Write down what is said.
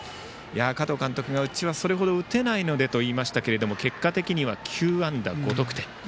加藤監督がうちは、それほど打てないのでといいましたが結果的には９安打５得点。